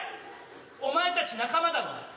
お前たち仲間だろ？